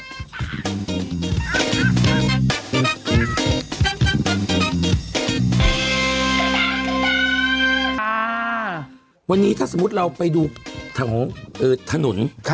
เธอเน่นท่านค่ะวันนี้เราถ้าสมมติเราไปดูที่แหงเออถนนค่ะ